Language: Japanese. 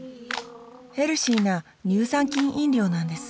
ヘルシーな乳酸菌飲料なんです